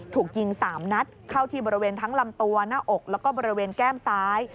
ถูกยิง๓นัดเข้าที่บริเวณทั้งลำตัวหน้าอกแล้วก็บริเวณแก้มซ้าย